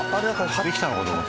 できたのかと思った。